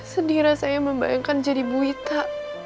sedih rasanya membayangkan jadi buwita